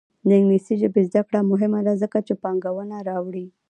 د انګلیسي ژبې زده کړه مهمه ده ځکه چې پانګونه راوړي.